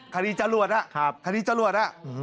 คดีจรวดล่ะคดีจรวดล่ะ